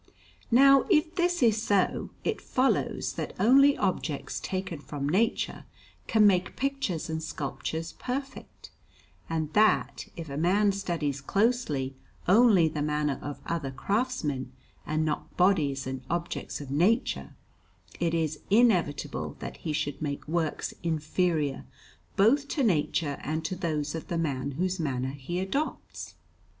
Now, if this is so, it follows that only objects taken from nature can make pictures and sculptures perfect, and that if a man studies closely only the manner of other craftsmen, and not bodies and objects of nature, it is inevitable that he should make works inferior both to nature and to those of the man whose manner he adopts.